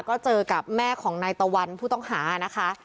ก็เจอกับแม่ของนายตะวันผู้ต้องหานะคะ